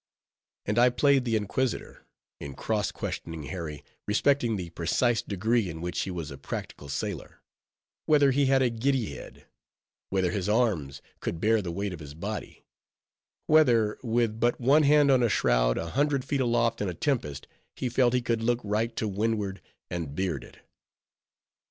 And I played the inquisitor, in cross questioning Harry respecting the precise degree in which he was a practical sailor;—whether he had a giddy head; whether his arms could bear the weight of his body; whether, with but one hand on a shroud, a hundred feet aloft in a tempest, he felt he could look right to windward and beard it.